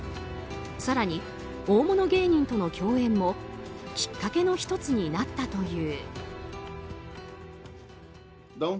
更に、大物芸人との共演もきっかけの１つになったという。